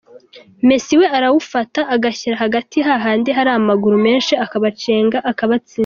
Messi we arawufata agashyira hagati hahandi hari amaguru menshi, akabacenga akabatsinda.